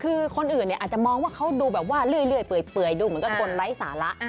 คือคนอื่นเนี่ยอาจจะมองว่าเขาดูแบบว่าเรื่อยเปลี่ยนคุณรักสาระ